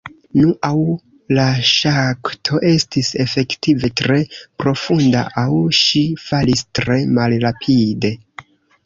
Nu, aŭ la ŝakto estis efektive tre profunda, aŭ ŝi falis tre malrapide.